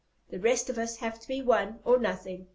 The rest of us have to be one, or nothing.